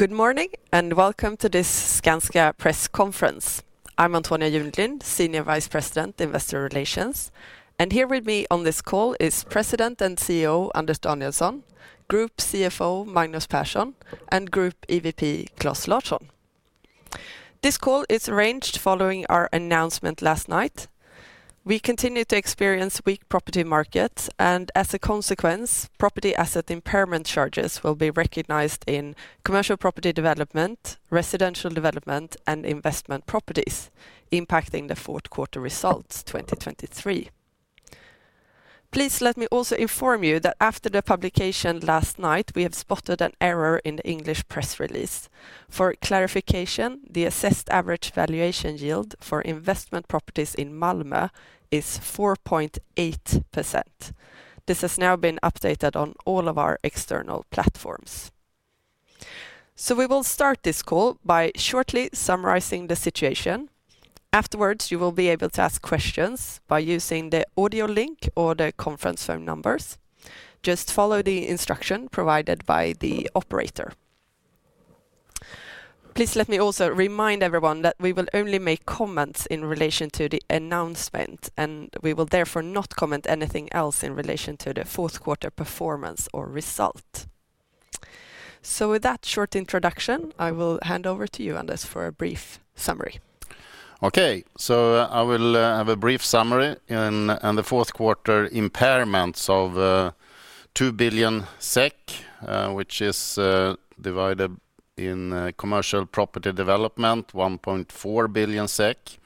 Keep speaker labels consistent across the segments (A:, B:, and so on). A: Good morning, and welcome to this Skanska press conference. I'm Antonia Junelind, Senior Vice President, Investor Relations, and here with me on this call is President and CEO, Anders Danielsson, Group CFO, Magnus Persson, and Group EVP, Claes Larsson. This call is arranged following our announcement last night. We continue to experience weak property markets, and as a consequence, property asset impairment charges will be recognized in commercial property development, residential development, and investment properties, impacting the fourth quarter results 2023. Please let me also inform you that after the publication last night, we have spotted an error in the English press release. For clarification, the assessed average valuation yield for investment properties in Malmö is 4.8%. This has now been updated on all of our external platforms. So we will start this call by shortly summarizing the situation. Afterwards, you will be able to ask questions by using the audio link or the conference phone numbers. Just follow the instruction provided by the operator. Please let me also remind everyone that we will only make comments in relation to the announcement, and we will therefore not comment anything else in relation to the fourth quarter performance or result. With that short introduction, I will hand over to you, Anders, for a brief summary.
B: Okay. So I will have a brief summary on the fourth quarter impairments of 2 billion SEK, which is divided in commercial property development, 1.4 billion SEK.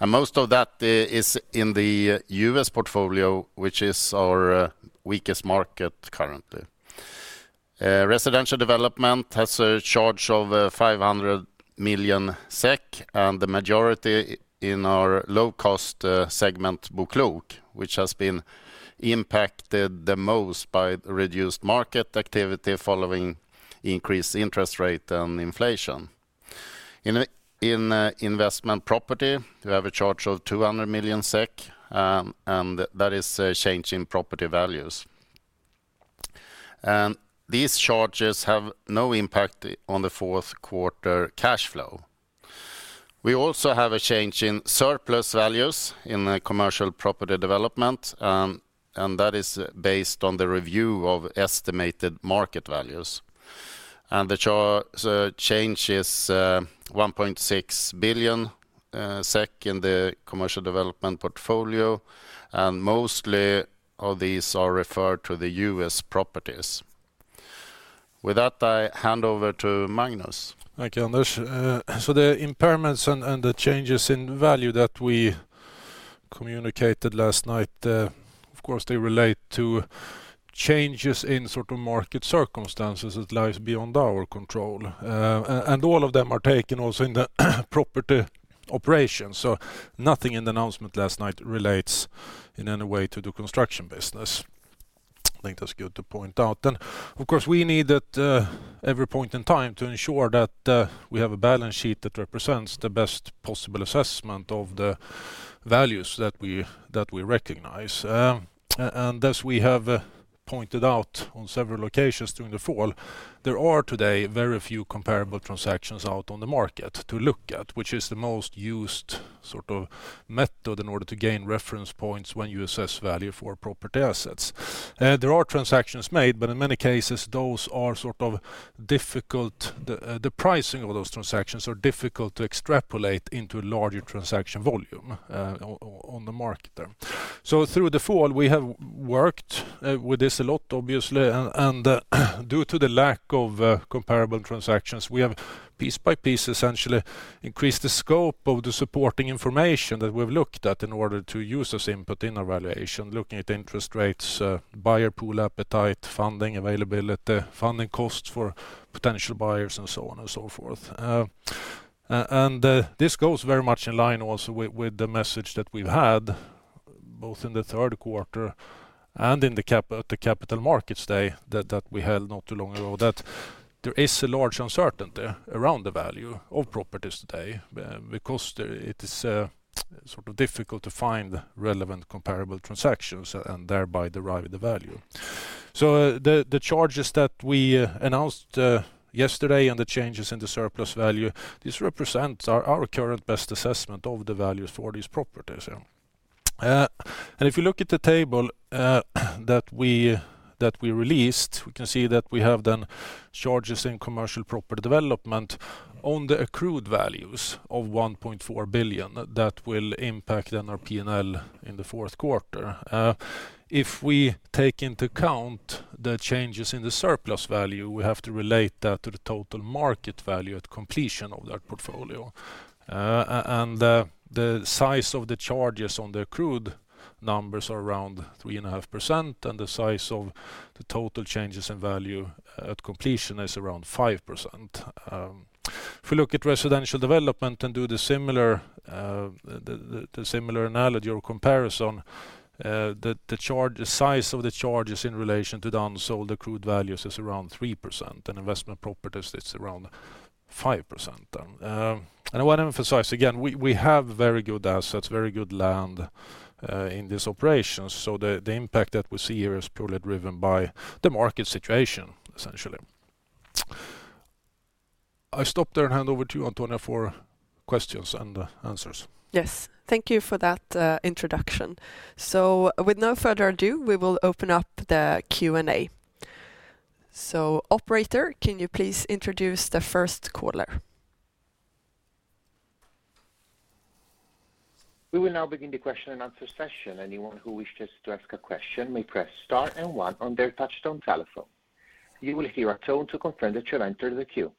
B: And most of that is in the U.S. portfolio, which is our weakest market currently. Residential development has a charge of 500 million SEK, and the majority in our low-cost segment BoKlok, which has been impacted the most by reduced market activity following increased interest rate and inflation. In investment property, we have a charge of 200 million SEK, and that is a change in property values. And these charges have no impact on the fourth quarter cash flow. We also have a change in surplus values in the commercial property development, and that is based on the review of estimated market values. The change is 1.6 billion SEK in the commercial development portfolio, and mostly all these are referred to the U.S. properties. With that, I hand over to Magnus.
C: Thank you, Anders. So the impairments and the changes in value that we communicated last night, of course, they relate to changes in sort of market circumstances that lie beyond our control. And all of them are taken also in the property operation. So nothing in the announcement last night relates in any way to the construction business. I think that's good to point out. And, of course, we need at every point in time to ensure that we have a balance sheet that represents the best possible assessment of the values that we, that we recognize. As we have pointed out on several occasions during the fall, there are today very few comparable transactions out on the market to look at, which is the most used sort of method in order to gain reference points when you assess value for property assets. There are transactions made, but in many cases, those are sort of difficult... The pricing of those transactions are difficult to extrapolate into larger transaction volume, on the market there. So through the fall, we have worked with this a lot, obviously, and due to the lack of comparable transactions, we have, piece by piece, essentially increased the scope of the supporting information that we've looked at in order to use as input in our valuation, looking at interest rates, buyer pool appetite, funding availability, funding costs for potential buyers, and so on and so forth. And this goes very much in line also with the message that we've had, both in the third quarter and in the Capital Markets Day that we held not too long ago, that there is a large uncertainty around the value of properties today, because it is sort of difficult to find relevant, comparable transactions and thereby derive the value. So the charges that we announced yesterday and the changes in the surplus value, this represents our current best assessment of the values for these properties, yeah. And if you look at the table that we released, we can see that we have then charges in Commercial Property Development on the accrued values of 1.4 billion. That will impact then our P&L in the fourth quarter. If we take into account the changes in the surplus value, we have to relate that to the total market value at completion of that portfolio. And the size of the charges on the accrued numbers are around 3.5%, and the size of the total changes in value at completion is around 5%. If you look at Residential Development and do the similar analogy or comparison, the size of the charges in relation to the unsold accrued values is around 3%, and Investment Properties, it's around two-... 5% then. And I want to emphasize again, we have very good assets, very good land in this operation. So the impact that we see here is purely driven by the market situation, essentially. I stop there and hand over to you, Antonia, for questions and answers.
A: Yes. Thank you for that, introduction. With no further ado, we will open up the Q&A. Operator, can you please introduce the first caller?
D: We will now begin the question and answer session. Anyone who wishes to ask a question may press Star and one on their touchtone telephone. You will hear a tone to confirm that you're entered in the queue.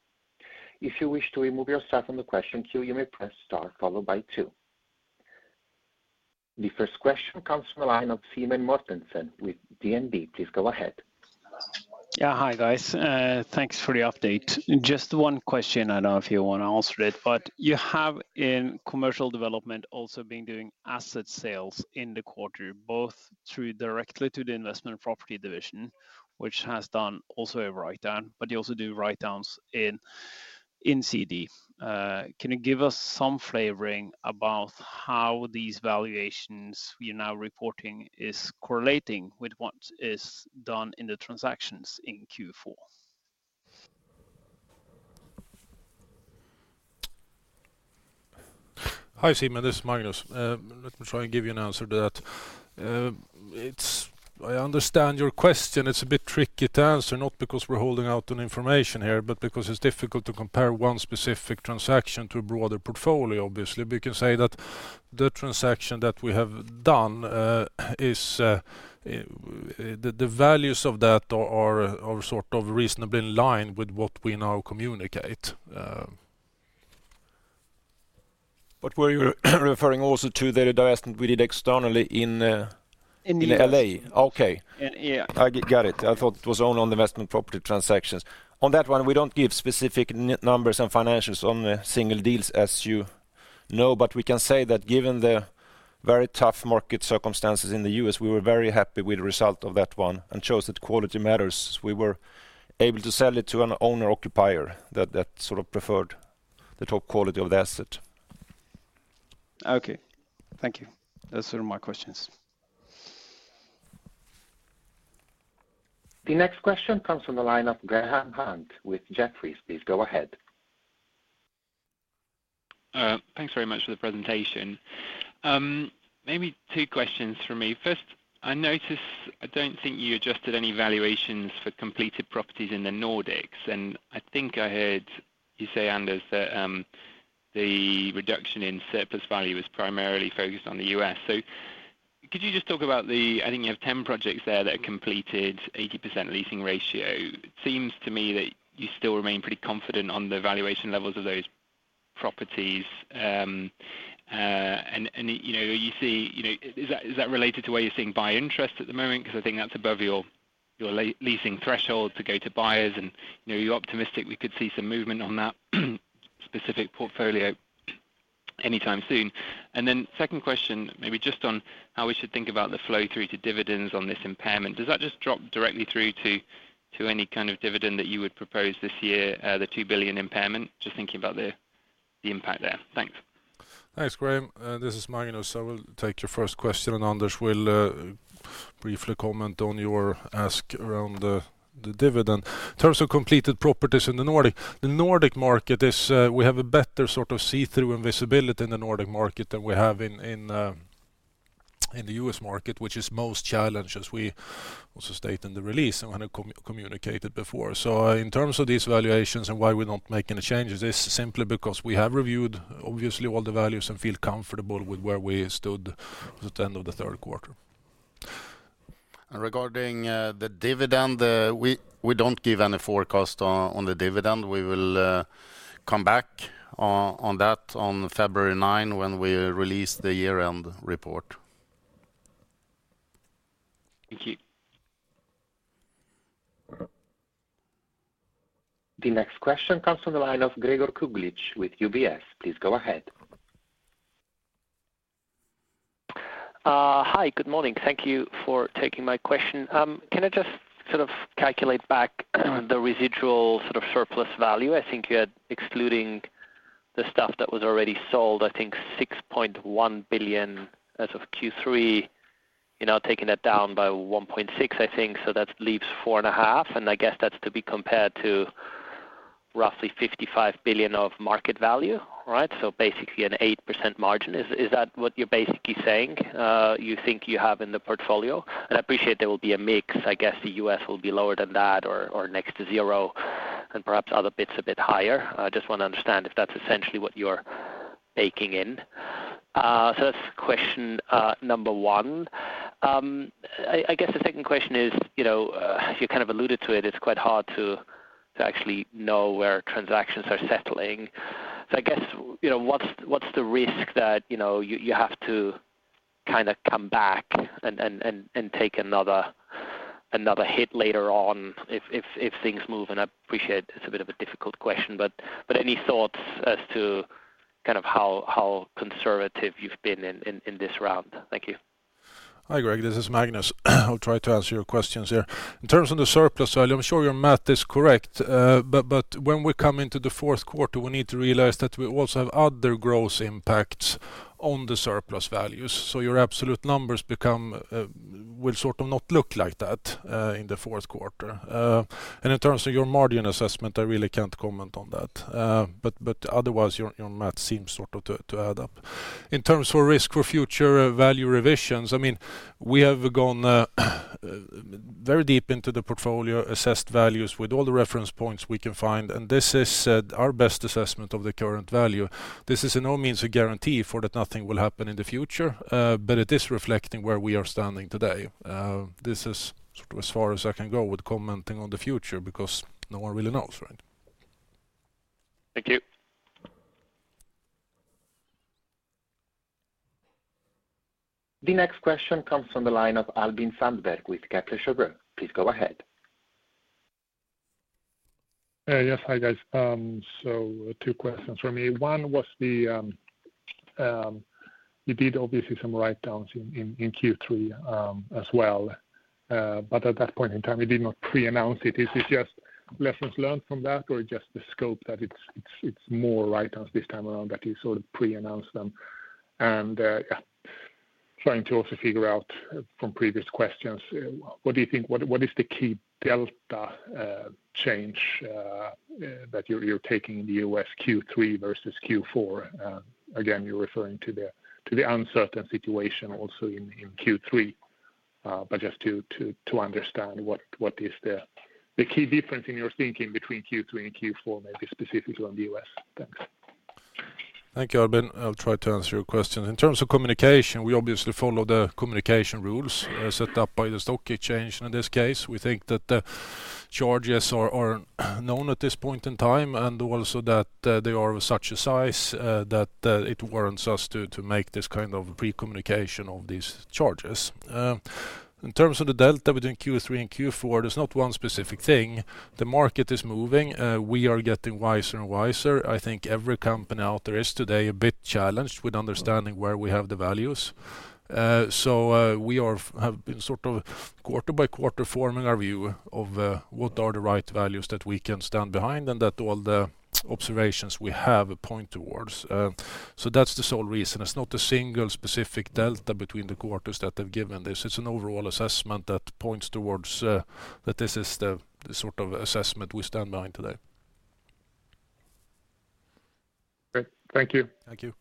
D: If you wish to remove yourself from the question queue, you may press Star, followed by two. The first question comes from the line of Simen Mortensen with DNB. Please go ahead.
E: Yeah. Hi, guys. Thanks for the update. Just one question. I don't know if you want to answer it, but you have, in commercial development, also been doing asset sales in the quarter, both through directly to the investment property division, which has done also a write-down, but you also do write-downs in CD. Can you give us some flavoring about how these valuations you're now reporting is correlating with what is done in the transactions in Q4?
C: Hi, Simen, this is Magnus. Let me try and give you an answer to that. I understand your question. It's a bit tricky to answer, not because we're holding out on information here, but because it's difficult to compare one specific transaction to a broader portfolio, obviously. We can say that the transaction that we have done is the values of that are sort of reasonably in line with what we now communicate. But were you referring also to the investment we did externally in?
E: In L.A..
C: In L.A.? Okay.
E: Yeah.
C: I got it. I thought it was only on the investment property transactions. On that one, we don't give specific numbers and financials on the single deals, as you know, but we can say that given the very tough market circumstances in the U.S., we were very happy with the result of that one, and shows that quality matters. We were able to sell it to an owner-occupier, that sort of preferred the top quality of the asset.
E: Okay. Thank you. Those are my questions.
D: The next question comes from the line of Graham Hunt with Jefferies. Please go ahead.
F: Thanks very much for the presentation. Maybe two questions from me. First, I notice, I don't think you adjusted any valuations for completed properties in the Nordics, and I think I heard you say, Anders, that the reduction in surplus value is primarily focused on the U.S. So could you just talk about the... I think you have 10 projects there that are completed, 80% leasing ratio. Seems to me that you still remain pretty confident on the valuation levels of those properties. You know, you see, you know, is that, is that related to where you're seeing buy interest at the moment? Because I think that's above your, your leasing threshold to go to buyers, and, you know, are you optimistic we could see some movement on that, specific portfolio anytime soon. Then second question, maybe just on how we should think about the flow-through to dividends on this impairment. Does that just drop directly through to, to any kind of dividend that you would propose this year, the 2 billion impairment? Just thinking about the impact there. Thanks.
C: Thanks, Graham. This is Magnus. I will take your first question, and Anders will briefly comment on your ask around the dividend. In terms of completed properties in the Nordic, the Nordic market is, we have a better sort of see-through and visibility in the Nordic market than we have in the U.S. market, which is most challenged, as we also state in the release and kind of communicated before. So in terms of these valuations and why we're not making the changes, it's simply because we have reviewed, obviously, all the values and feel comfortable with where we stood at the end of the third quarter.
B: Regarding the dividend, we don't give any forecast on the dividend. We will come back on that on February 9, when we release the year-end report.
F: Thank you.
D: The next question comes from the line of Gregor Kuglitsch with UBS. Please go ahead.
G: Hi, good morning. Thank you for taking my question. Can I just sort of calculate back, the residual sort of surplus value? I think you had excluding the stuff that was already sold, I think 6.1 billion as of Q3. You're now taking that down by 1.6 billion, I think, so that leaves 4.5 billion, and I guess that's to be compared to roughly 55 billion of market value, right? So basically, an 8% margin. Is that what you're basically saying, you think you have in the portfolio? And I appreciate there will be a mix. I guess, the U.S. will be lower than that or next to zero, and perhaps other bits a bit higher. I just want to understand if that's essentially what you're baking in. So that's question number one. I guess the second question is, you know, you kind of alluded to it, it's quite hard to actually know where transactions are settling. So I guess, you know, what's the risk that, you know, you have to kinda come back and take another hit later on if things move? And I appreciate it's a bit of a difficult question, but any thoughts as to kind of how conservative you've been in this round? Thank you.
C: Hi, Greg, this is Magnus. I'll try to answer your questions here. In terms of the surplus value, I'm sure your math is correct. But when we come into the fourth quarter, we need to realize that we also have other gross impacts on the surplus values. So your absolute numbers become, will sort of not look like that, in the fourth quarter. And in terms of your margin assessment, I really can't comment on that. But otherwise, your math seems sort of to add up. In terms of risk for future value revisions, I mean, we have gone very deep into the portfolio, assessed values with all the reference points we can find, and this is our best assessment of the current value. This is in all means a guarantee for that nothing will happen in the future, but it is reflecting where we are standing today. This is sort of as far as I can go with commenting on the future, because no one really knows, right?
G: Thank you.
D: The next question comes from the line of Albin Sandberg with Kepler Cheuvreux. Please go ahead.
H: Yes. Hi, guys. So two questions from me. One was the, you did obviously some write-downs in Q3, as well. But at that point in time, you did not pre-announce it. Is it just lessons learned from that, or just the scope that it's more write-downs this time around that you sort of pre-announce them? And, trying to also figure out from previous questions, what do you think... What is the key delta, change, that you're taking in the U.S. Q3 versus Q4? Again, you're referring to the uncertain situation also in Q3. But just to understand what is the key difference in your thinking between Q3 and Q4, maybe specifically on the U.S. Thanks.
C: Thank you, Albin. I'll try to answer your question. In terms of communication, we obviously follow the communication rules set up by the stock exchange. In this case, we think that the charges are known at this point in time, and also that they are of such a size that it warrants us to make this kind of pre-communication of these charges. In terms of the delta between Q3 and Q4, there's not one specific thing. The market is moving. We are getting wiser and wiser. I think every company out there is today a bit challenged with understanding where we have the values. So, we have been sort of quarter by quarter, forming our view of what are the right values that we can stand behind, and that all the observations we have point towards. So that's the sole reason. It's not a single specific delta between the quarters that have given this. It's an overall assessment that points towards that this is the sort of assessment we stand behind today.
H: Great. Thank you.
C: Thank you.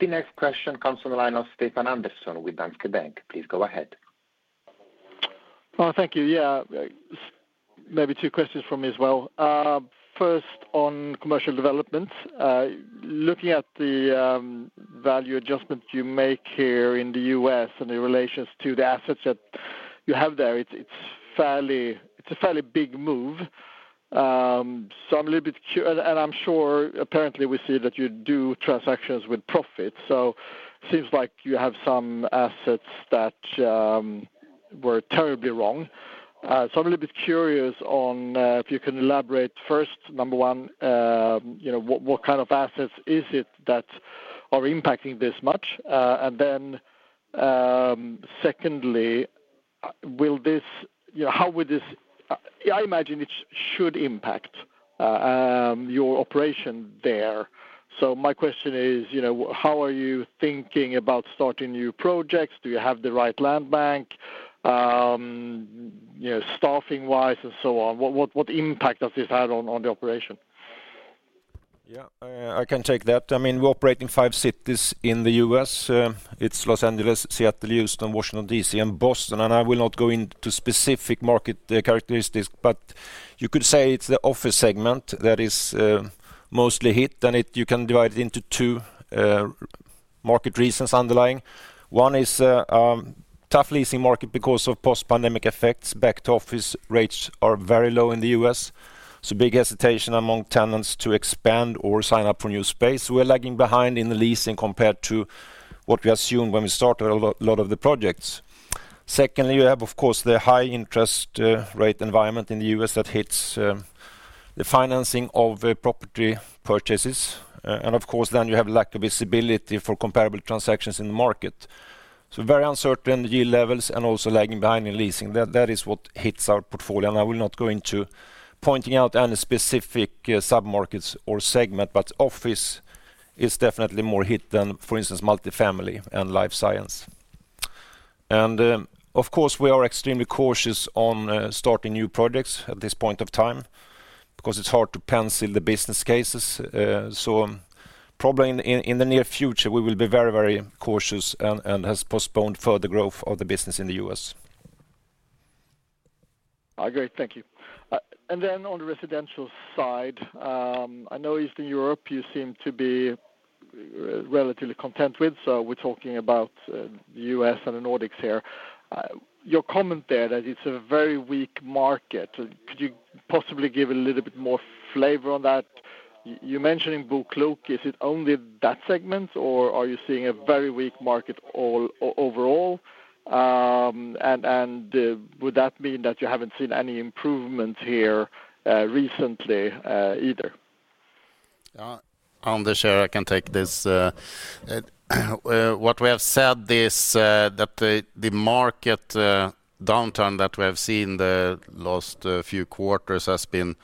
D: The next question comes from the line of Stefan Andersson with Danske Bank. Please go ahead.
I: Thank you. Yeah, maybe two questions from me as well. First, on commercial development, looking at the value adjustments you make here in the U.S. and in relations to the assets that you have there, it's a fairly big move. So I'm a little bit and I'm sure apparently we see that you do transactions with profit, so seems like you have some assets that were terribly wrong. So I'm a little bit curious on if you can elaborate first, number one, you know, what kind of assets is it that are impacting this much? And then, secondly, will this... You know, how would this... I imagine it should impact your operation there. So my question is, you know, how are you thinking about starting new projects? Do you have the right land bank? You know, staffing-wise and so on, what impact has this had on the operation?
C: Yeah, I can take that. I mean, we operate in five cities in the U.S. It's Los Angeles, Seattle, Houston, Washington, D.C., and Boston. I will not go into specific market characteristics, but you could say it's the office segment that is mostly hit. You can divide it into two market reasons underlying. One is a tough leasing market because of post-pandemic effects. Back to office rates are very low in the U.S., so big hesitation among tenants to expand or sign up for new space. We're lagging behind in the leasing compared to what we assumed when we started a lot of the projects. Secondly, you have, of course, the high interest rate environment in the U.S. that hits the financing of property purchases. Of course, then you have lack of visibility for comparable transactions in the market. So very uncertain yield levels and also lagging behind in leasing. That, that is what hits our portfolio, and I will not go into pointing out any specific submarkets or segment, but office is definitely more hit than, for instance, multifamily and life science. Of course, we are extremely cautious on starting new projects at this point of time, because it's hard to pencil the business cases. So probably in, in, in the near future, we will be very, very cautious and, and has postponed further growth of the business in the U.S.
I: Great. Thank you. And then on the residential side, I know Eastern Europe you seem to be relatively content with, so we're talking about the U.S. and the Nordics here. Your comment there, that it's a very weak market, could you possibly give a little bit more flavor on that? You mentioned in BoKlok, is it only that segment, or are you seeing a very weak market all overall? And would that mean that you haven't seen any improvement here recently either?
B: Yeah, on the share, I can take this. What we have said is that the market downturn that we have seen the last few quarters has been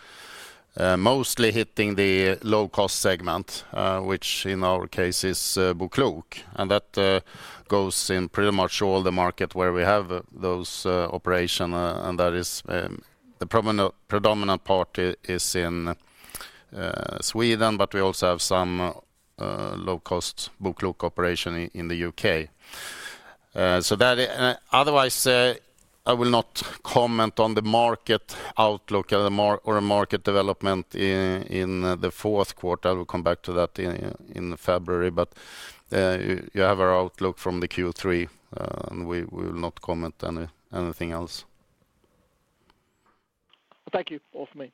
B: mostly hitting the low-cost segment, which in our case is BoKlok. And that goes in pretty much all the market where we have those operations, and that is the predominant part is in Sweden, but we also have some low-cost BoKlok operations in the U.K. So, otherwise, I will not comment on the market outlook or the market development in the fourth quarter. I will come back to that in February, but you have our outlook from the Q3, and we will not comment anything else.
D: Thank you. All for me.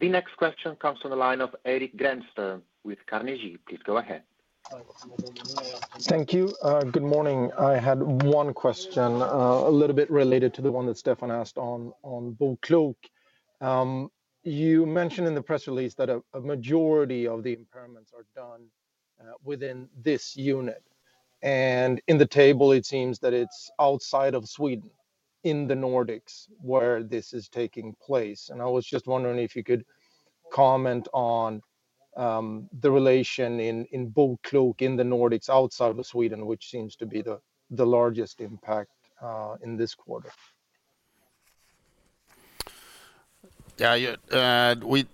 D: The next question comes from the line of Erik Granström with Carnegie. Please go ahead.
J: Thank you. Good morning. I had one question, a little bit related to the one that Stefan asked on, on BoKlok. You mentioned in the press release that a, a majority of the impairments are done, within this unit, and in the table, it seems that it's outside of Sweden, in the Nordics, where this is taking place. And I was just wondering if you could comment on, the relation in, in BoKlok, in the Nordics, outside of Sweden, which seems to be the, the largest impact, in this quarter?
B: Yeah, yeah.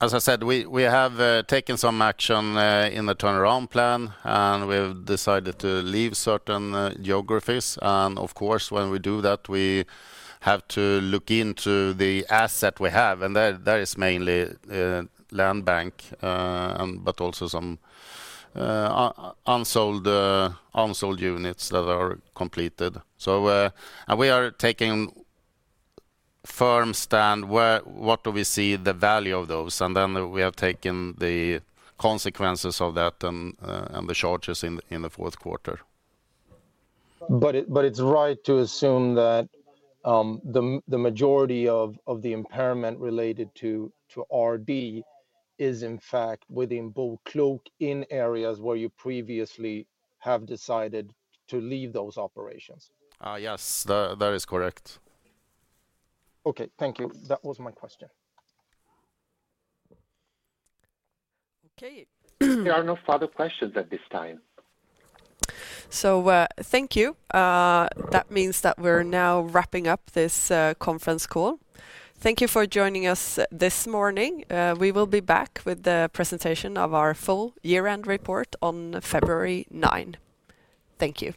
B: As I said, we have taken some action in the turnaround plan, and we've decided to leave certain geographies. And of course, when we do that, we have to look into the asset we have, and that is mainly landbank, but also some unsold units that are completed. So, and we are taking firm stand where what do we see the value of those, and then we have taken the consequences of that and the charges in the fourth quarter.
J: But it's right to assume that the majority of the impairment related to RD is, in fact, within BoKlok, in areas where you previously have decided to leave those operations?
B: Yes, that is correct.
J: Okay. Thank you. That was my question.
A: Okay.
D: There are no further questions at this time.
A: Thank you. That means that we're now wrapping up this conference call. Thank you for joining us this morning. We will be back with the presentation of our full year-end report on February nine. Thank you.